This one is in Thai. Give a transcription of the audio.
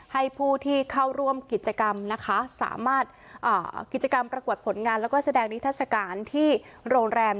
ให้ผู้ที่เข้าร่วมกิจกรรมนะคะสามารถกิจกรรมประกวดผลงานแล้วก็แสดงนิทัศกาลที่โรงแรม